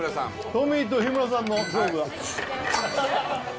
トミーと日村さんの勝負だはい